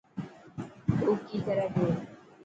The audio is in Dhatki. او ڪي ڪري پيو.